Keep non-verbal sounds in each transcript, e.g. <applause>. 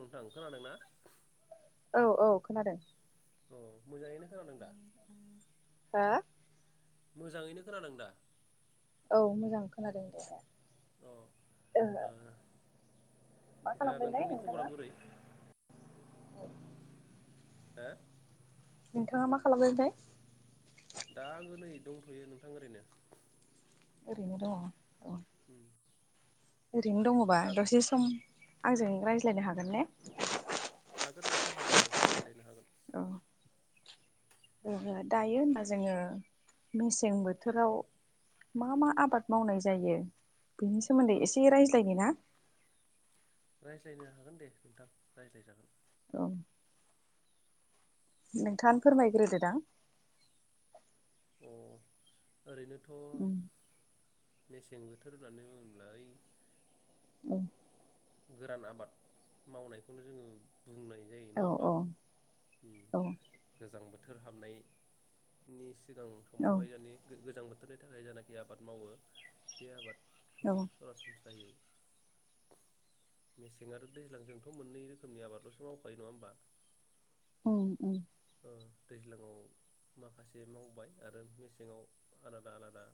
नोंथां खोनादों ना? औ औ खोनादों। अ मोजाङैनो खोनादों दा? हा? मोजाङैनो खोनादों दा? औ मोजां खोनादों दे। अ ओ मा ओ दा खालामदोंथाय नोंथांनि खबरा नोंथाङा बोरै? हो? नोंथाङा मा खालामदोंथाय? दा आङो नै दंथ'यो नोंथां ओरैनो। ओरैनो दं अ। <inaudible> ओरैनो दङबा दा दसे सम आंजों रायज्लायनो हागोन ने? हागोन नोंथां हागोन दे रायलायनो हागोन। औ ओ दायो होनबा जोङो मेसें बोथोराव मा मा आबाद मावनाय जायो बेनि सोमोन्दै एसे रायज्लायनि ना? रायज्लायनो हागोन दे नोंथां रायज्लाय जागोन। औ। नोंथाङानो फोरमायग्रोदो दां। अह! ओरैनोथ' उम मेसें बोथोर होननानै बुंब्ला ओइ उम गोरान आबाद मावनायखौनो जोङो बुंनाय जायो नङा औ होमबा? औ औ गोजां बोथोर बोथोर हाबनायनि सिगां औ समावहायजानि गोजां बोथोर बोथोरनि थाखाय जायनाखि आबाद मावो बे आबाद औ <unintelligible> मेसें आरो दैज्लांजोंथ' मोननै रोखोमनि आबादल'सो मावखायो नङा होमबा औ औ। दैज्लांङाव माखासे मावबाय आरो मेसेङाव आलादा आलादा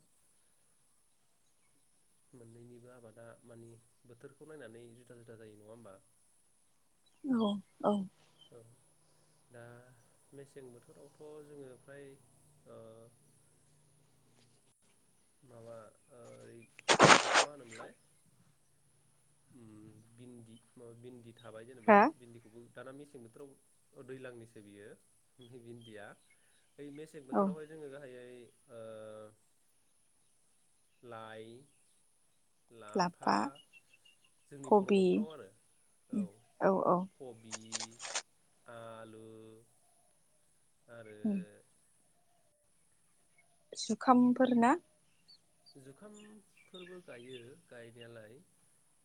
मोननैनिबो आबादा मानि बोथोरखौ नायनानै जुदा जुदा जायो नङा होमबा। औ औ। औ दा मेसें बोथोरावथ' जोङो फ्राय ओ माबा ओओरै बेखौ मा होनोमोनलाय भन्दि माबा भन्दि थ थाबाय जेनेबा हा भन्दिखौबो दाना मेसें बोथोराव दैजलांनिसो बियो भन्दिया बै मेसें औ बोथोरावायोङो गाहायै ओ लाइ लाफा जोंनि बर' कबि न'खराव आरो औ कबि आलु आरो औ। जुखाम फोरना। जुखाम फोरबो गायो गायनायालाय।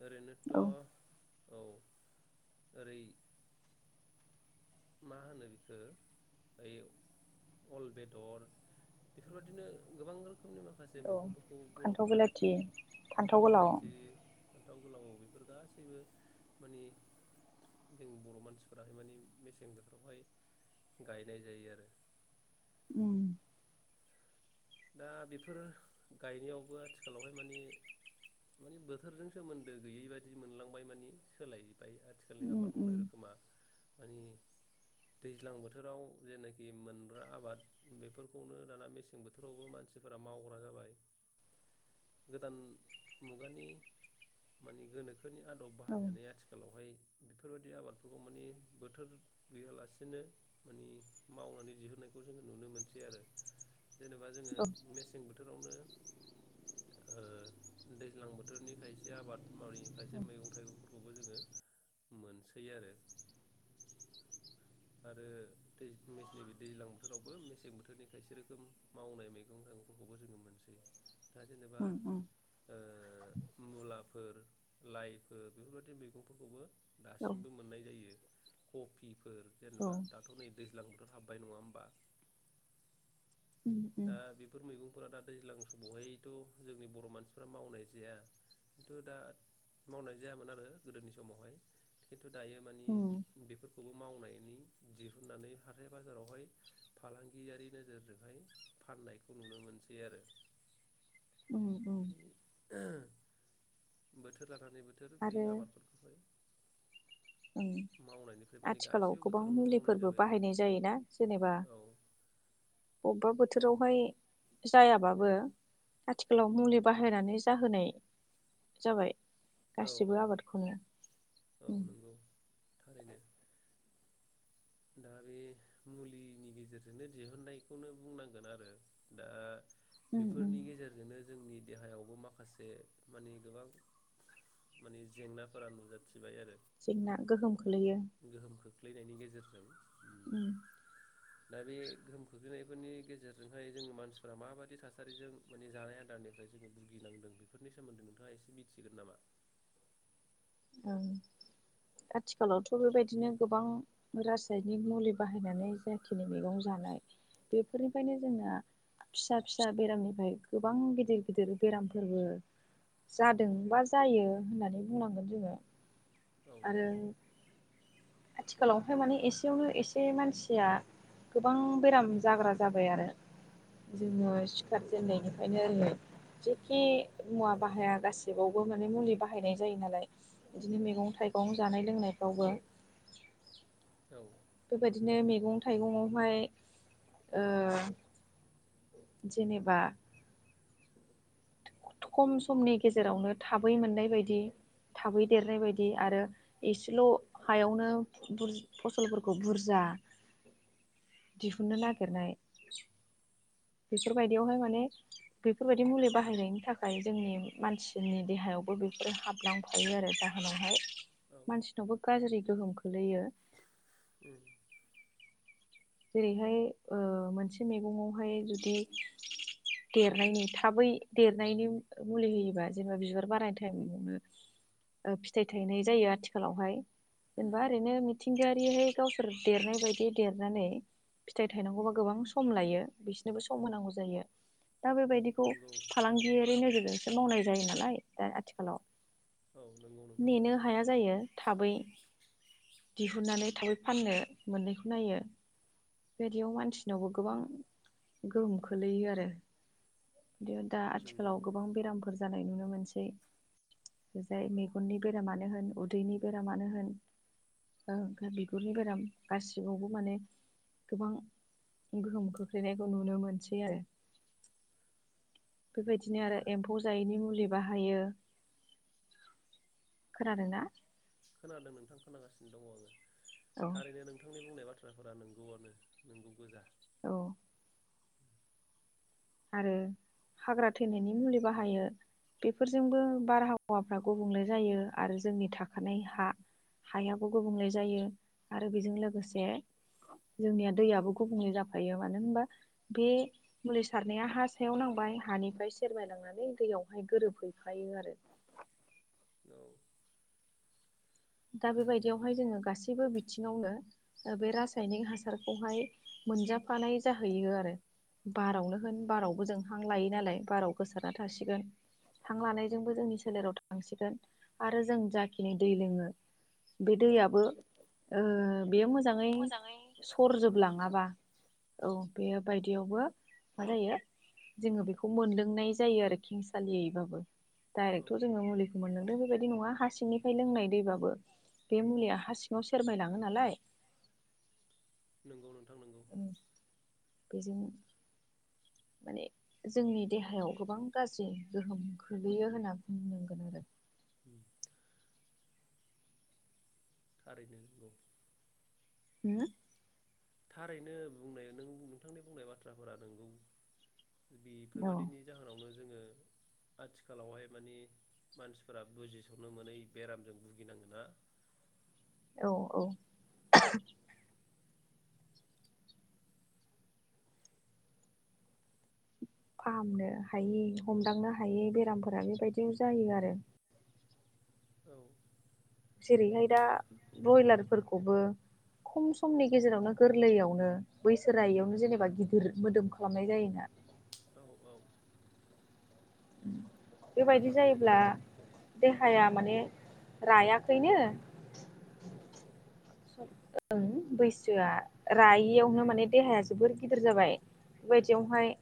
ओरैनोथ' औ ओरै मा होनो बिखौ ओइ अल बेदर बेफोरबायदिनो गोबां रोखोम समनि माखासे औ मैगंफोरखौ बर'फ फान्थाव बिलाथि फान्थाव बिलाथि फान्थाव गोलाबाव बेफोर गासैबो माने जों बर' मानसिफोराहाय मान मसे जों बेफोरावहाय गायनाय जायो आरो उम। दा बेफोर गायनायावबो आथिखालावहाय माने बोथोरजों सोमोन्दो गैयै बदि मोनलांबाय माने सोलाय ओमफ्राय आथिखालनि उम आबाद उम मावनाय रोखोमा मानि दैज्लां बोथोराव जेनाखि मोनग्रा आबाद बेफोरखौनो दाना मेसें बोथोर बोथोरावबो मानसिफोरा मावग्रा जाबाय गोदान मुगानि मान गोनोखो बेफोरनि आदब बाहायनानै औ आथिखालावहाय बेफोरबायदि आबादफोरखौ माने बोथोर गैयालासेनो माने मावनानै दिहुनायखौ जोङो नुनो मोनसै आरो। जेनेबा जोङो औ मेसें बोथोरावनो ओ दैज्लां बोथोरनि खायसे आबाद मावै खायसे मैगं थाइगंफोरखौबो जोङो मोनसै आरो। आरो दै मे नैबे दैज्लां बोथोरावबो मेसें बोथोरनि खायसे रोखोम मावनाय मैगं थाइगंफोरखौबो जोङो मोनसै। दा जेनेबा उम उम ओ मुला फोर लाइफोर बेफोरबायदि मैगंफोरखौबो औ दासिमबो मोननाय जायो। कफिफोर औ जेनेबा दाथ' नै दैज्लां बोथोर हाबबाय नङा होमबा? उम उम दा बेफोर मैगंफोरा दा दैज्लां समावहायथ' जोंनि बर' मानसिफ्रा मावनाय जाया खिन्थु दा मावनाय जायामोन आरो गोदोनि समावहाय थ' दायो उम मानि बेफोर खौबो मावनायनि दिहुननानै हाथाय बाजारावहाय फालांगियारि नोजोरजोंहाय फाननायखौ नुनो मोनसै आरो। उम उम माने बोथोर ला लानानै बोथोर बै आरो आबादफोरखौहाय उम मावनायनिफ्राय माने आथिखालाव गासैबो गोबां बोथोरावनो मावनाय मुलिफोरबो जाबाय आरो बाहायनाय जायोना जेनेबा औ अबबा बोथ औ थोरावहाय जायाबाबो आथिखालाव मुलि बाहायनानै जाहोनाय जाबाय औ गाससिबो आबादखौनो औ उम। नंगौ थारैनो दा बे मुलिनि गेजेरजोंनो दिहुननायखौनो बुंनांगोन आरो दा उम उम बेफोरनि गेजेरजोंनो जोंनि देहायावबो माखासे मानि गोबां माने जेंनाफोरा नुजाथि जेंना गोहोम खोलैयो खोलैनायनि गेजेरजों जों उम दा बे गोहोम खोख्लैनायफोरनि गेजेरजोंहाय जोंनि मानसिफोरा माबायदि थासारिजों माने जानाय आदारनिफ्राय जोङो भुगिनांदों बेफोरनि सोमोन्दै नोंथाङा एसे मिथिगोन नामा? ओं आथिखालावथ' बेबायदिनो गोबां रासायनिक मुलि बाहायनानै जायाखिनि मैगं जानाय बेफोरनिफ्रायनो जोंना फिसा फिसा बेरामनिफ्राय गोबां गिदिर गिदिर बेरामफोरबो जादोंबा जायो होननानै बुंनांगोन जोङो। औ आरो आथिखालावाय माने एसेयावनो एसे मानसिया गोबां बेराम जाग्रा जाबाय आरो जोङो सिखारजेननायनिफ्रायनो ओरै जेखि मुवा बाहाया गासिबावबो माने मुलि बाहायनाय जायो नालाय बिदिनो मैगं-थाइ गं जानाय-लोंनायफ्रावबो औ बेबायदिनो मैगं-थाइगङावहाय ओ जेनेबा खम समनि गेजेरावनो थाबै मोननाय बायदि थाबै देरनाय बायदि आरो एसेल' हायावनो फसलफोरखौ बुरजा दिहुननो नागिरनाय बेफोरबायदियावहाय माने बेफोरबायदि मुलि बाहायनायनि थाखाय जोंनि मानसिनि देहायावबो बेफोरो हाबलांफायो आरो जाहोनावहाय औ मानसिनावबो गाज्रि गोहोम खोलैयो। उम जेरैहाय ओ मोनसे मैगङावहाय जुदि देरनायनि थाबै देरनायनि मुलि होयोबा जेनेबा बिबार बारायनाय टाइमावनो फिथाइ थायनाय जायो आथिखालावहाय। उम जेनेबा ओरैनो मिथि मिथिंगायारिहाय गावसोर देरनाय बायदि देरनानै फिथाइ थायनांगौबा गोबां सम लायो बिसोरनोबो सम होनांगौ जायो। दा औ बेबायदिखौ नंगौ फालांगियारि नोजोरजोंसो मावनाय जायो नालाय दा आथिखालाव। औ नंगौ नोंथां नेनो नंगौ हाया जायो थाबै दिहुननानै थाबै फाननो मोननायखौ नायो। बेबादियाव मानसिनावबो गोबां गोहोम खोलैयो आरो। बिदि दा नंगौ आथिखालाव गोबां बेरामफोर जानाय नुनो मोनसै जाय मेगननि बेरामानो होन उदैनि बेरामानो होन ओ बिगुरनि बेराम गासिबावबो माने गोबां गोहोम खोख्लैनायखौ नुनो मोनसै आरो। बेबायदिनो आरो एम्फौ जायैनि मुलि। बाहायो खोनादोंना? खोनादों नोंथां खोनागासिनो दङ आङो। औ थारैनो नोंथांनि बुंनाय बा बाथ्राफोरा नोंगौआनो नोंगौ गोजा। औ। आरो हाग्रा थैनायनि मुलि बाहायो बेफोरजोंबो बारहावाफ्रा गुबुंले जायो आरो जोंनि थाखानाय हा हायाबो गुबुंले जायो आरो बेजों लोगोसे जोंनिया दैयाबो गुबुंले जाफायो मानो होनबा बे मुलि सा सारनाया हा सायाव नांबाय हानिफ्राय सेरमायलांनानै दैयावहाय गोरोबहैफायो आरो। औ दा थारैनो बेबायदियावहाय नंगौ जोङो गासैबो बिथिङावनो बे रासायनिक हासारखौहाय मोनजाफानाय जाहैयो आरो बारावनो होन बारावबो जों हां लायो नालाय बाराव गोसारना थासिगोन हां लानायजोंबो जोंनि सोलेराव थांसिगोन आरो जों जाखिनि दै लोङो बे दैयाबो ओ बेयो मोजाङै सरजोबलाङाबा औ बेबायदियावबो मा जायो जोङो बेखौ मोनलोंनाय जायो आरो खिंसालियैबाबो। औ डाइरेक्थ' जो मुलिखौ मोनलोदों। बेबायदि नङा हासिंनिफ्राय लोंनाय दैबाबो। बे मुलिया हा सिङाव सेरमायलाङो नालाय। नोंगौ। उम। बेजों। माने जोंनि देहायाव गोबां गाज्रि गोहोम खोलैयो होनना बुंनांगोन आरो। उ। थारैनो नंगौ। हु। थारैनो बुंनाय नों नोंथांनि बुंनाय बाथ्राफोरा नोंगौ। बेफोरबायदिनि जाहोनावनो जोङो आथिखालावहाय मानि मानसिफोरा बुजिस'नो मोनै बेरामजों भुगिनांगोना। अ औ। फाहामनो हायै हमदांनो हायै बेरामफोरा बेबायदियाव जायो आरो। औ। जेरैहाय दा ब्रयलारफोर बो खम समनि गेजेरावनो गोरलैयावनो बैसो रायैयावनो जेनेबा गिदिर मोदोम खालामनाय जायोना। औ औ। उम। बेबायदि थारमानि जायोब्ला देहाया माने रायाखैनो स ओं बैसोआ रायियावनो माने देहाया जोबोर गिदिर जाबाय बेबायदियावहाय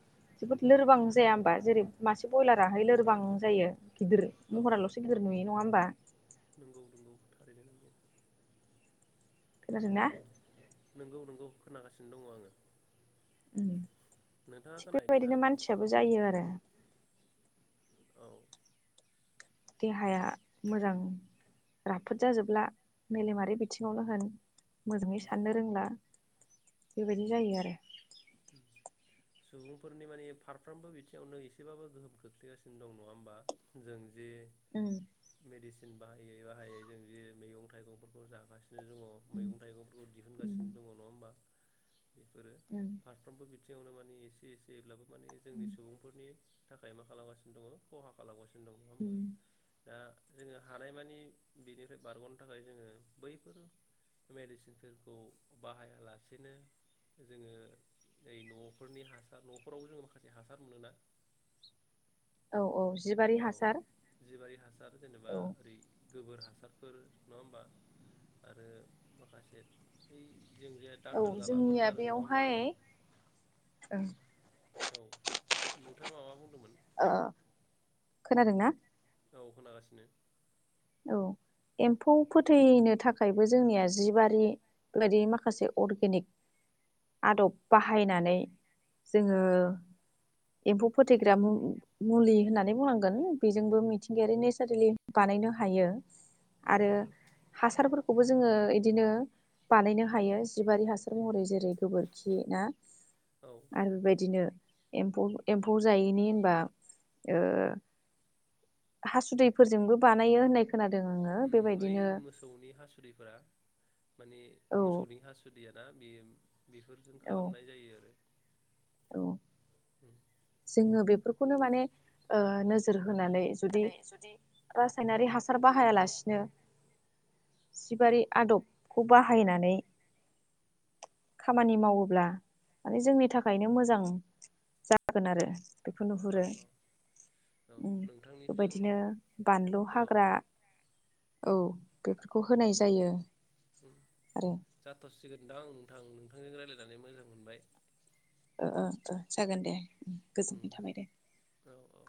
जोबोद लोरबां जाया होमबा जेरै मासे बयलाराहाय लोरबां जायो। गिदिर औ महराल'सो गिदिर नुयो नङा होम बा नंगौ नंगौ थारैनो नंगौ। खोनादों ना? नोंगौ नोंगौ खोनागासिनो दङ आङो। उम नोंथाङा थिग खोनाहैदोंना बेबायदिनो मानसियाबो जायो आरो। औ। देहाया मोजां राफोद जाजोबला मेलेमारि बिथिङावनो होन मोजाङै उम साननो रोंला। बेबायदिनो जायो आरो। सुबुंफोरनि माने फारफ्रोमबो बिथिङावनो एसेबाबो गोहोम खोख्लैगासिनो दं नङा होमबा जों जे उम। मेडिसिन बाहायै बाहायै जों जे मैगं थाइगंफोरखौ जागासिनो। उम मैगं थाइगंफोरखौ दिहुनगासिनो उम दङ नङा होमबा? बेफोरो उम। फारफ्रोमबो बिथिङावनो माने एसे एसेबाबो। माने जोंनि उम सुबुंफोरनि थाखाय मा खालामगासिनो दङ खहा खालामगासिनो दं। नङा होमबा उम। दा जोङो हानायमानि बिनिफ्राय बारग'नो थाखाय जोङो बैफोर मेडिसिनफोरखौ बाहायालासेनो जोङो ओइ न'फोरनि हासार न'फोराव जोङो माखासे हासार मोनोना औ औ। जिबारि औ हासार जिबारि हासार जेनेबा औ ओरै गोबोर हास सारफोर नङा होमबा आरो माखासे बै औ जोंनिया बेयावहाय ओं। औ नोंथाङा माबा बुंदोमोन? ओ खोनादोंना? औ खोनागासिनो। औ एम्फौ फोथैनो थाखायबो जोंनिया जिबारि बादि माखासे अर्गेनिक आद'ब बाहायनानै जोङो एम्फौ फोथैग्रा मु मुलि होननानै बुंनांगोन बेजोंबो मिथिंगायारि नेसारेलि बानायनो हा हायो। उम आरो हासारफोर खौबो जोङो इदिनो बानायनो हायो जिबारि हासार महरै जेरै गोबोरखि ना औ आरो बेबायदिनो एम्फौ एम्फौ जायैनि होनबा ओ हासुदैफोरजोंबो बा नायो होननाय उम बै मोसौनि हासुदिफोरा माने औ मोसौनि हासु दैया ना बेयो बेफोरजों औ खालामनाय जायो आरो औ जोङो बेफोरखौनो माने ओ नोजोर हो नानै जुदि रासायनारि हा सार बाहायालासिनो जिबारि आदबखौ बाहायनानै खामानि मावोब्ला माने जोंनि थाखायनो मोजां जा जागोन आरो बेखौ औ नुहुरो औ औ उम नोंथांनिजों बेबायदिनो बानलु औ हाग्रा औ बेफोरखौ होनाय जायो। उम आरो जाथसिगोनदां आं नोंथांजों रायज्लायनानै मोजां मोनबाय। ओ ओ ओ जागोन दे। गोजोननाय उम थाबाय दे औ औ